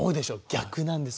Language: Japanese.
逆なんです。